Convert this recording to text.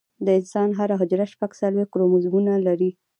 د انسان هره حجره شپږ څلوېښت کروموزومونه لري